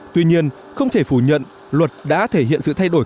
tuy nhiên không thể phủ nhận luật đã thể hiện sự thay đổi